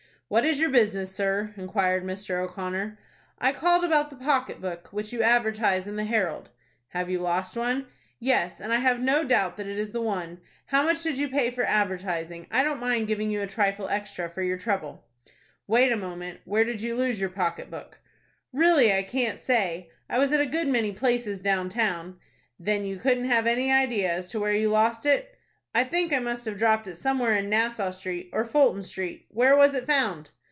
"What is your business, sir?" inquired Mr O'Connor. "I called about that pocket book which you advertise in the 'Herald.'" "Have you lost one?" "Yes, and I have no doubt that is the one. How much did you pay for advertising? I don't mind giving you a trifle extra for your trouble." "Wait a moment. Where did you lose your pocket book?" "Really I can't say. I was at a good many places down town." "Then you couldn't give any idea as to where you lost it?" "I think I must have dropped it somewhere in Nassau Street or Fulton Street. Where was it found?"